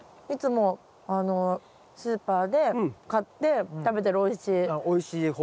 いつもスーパーで買って食べてるおいしい。